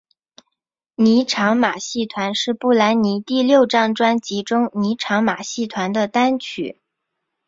妮裳马戏团是布兰妮第六张专辑中妮裳马戏团的单曲。